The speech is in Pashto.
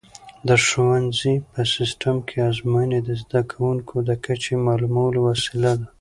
د ښوونځي په سیسټم کې ازموینې د زده کوونکو د کچې معلومولو وسیله ده.